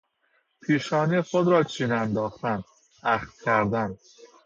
پیشانی خود را چین انداختن، اخم کردن